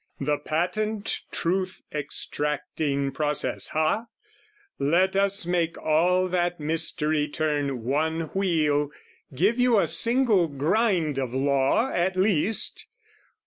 The patent truth extracting process, ha? Let us make all that mystery turn one wheel, Give you a single grind of law at least!